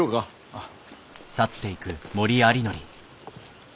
あっ。